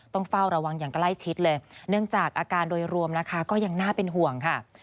ต้องเฝ้าระวังอย่างใกล้ชิดเลยเนื่องจากอาการโดยรวมนะคะก็ยังน่าเป็นห่วงค่ะ